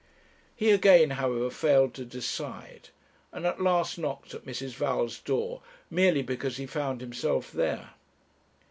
He again, however, failed to decide, and at last knocked at Mrs. Val's door merely because he found himself there.